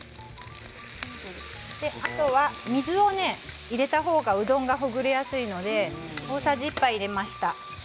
あとは水をね、入れた方がうどんがほぐれやすいので大さじ１杯、入れました。